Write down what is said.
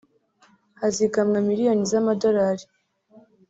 hazigamwa miliyoni z’amadolari